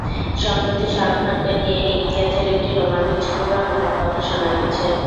সম্প্রতি শাহরুখ খানকে নিয়ে ইমতিয়াজের একটি রোমান্টিক ছবি বানানোর কথা শোনা যাচ্ছে।